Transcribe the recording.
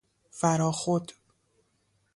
فراخود